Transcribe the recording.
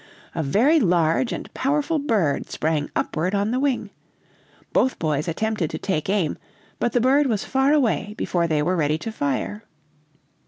A very large and powerful bird sprang upward on the wing. Both boys attempted to take aim, but the bird was far away before they were ready to fire.